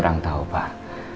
lurang tau pak